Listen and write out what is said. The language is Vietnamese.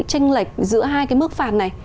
tranh lệch giữa hai cái mức phạt này